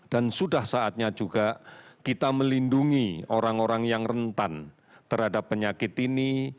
dan sudah saatnya juga kita melindungi orang orang yang rentan terhadap penyakit ini